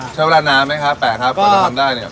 ใช้เวลานานไหมคะแปลกครับกว่าจะทำได้เนี่ย